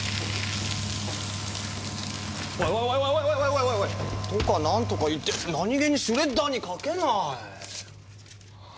おいおいおい！とか何とか言って何気にシュレッダーにかけない！